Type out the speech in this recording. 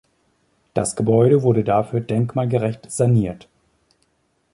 Das Gebäude wurde dafür denkmalgerecht saniert.